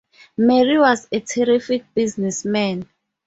Mary was a terrific businessman.